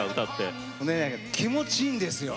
気持ちいいんですよ。